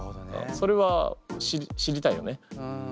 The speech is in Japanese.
それは知りたいよね？